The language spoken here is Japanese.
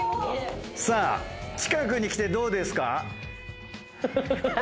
さぁ近くに来てどうですか？